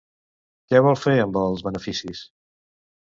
Què vol fer amb els beneficis?